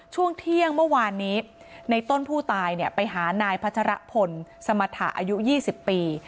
ช่วงเที่ยงเมื่อวานนี้ในต้นผู้ตายเนี่ยไปหานายพัชรพลสมถาอายุยี่สิบปี